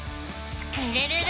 スクるるる！」